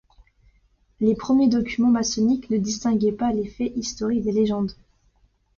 Les premiers documents maçonniques ne distinguaient pas les faits historiques des légendes.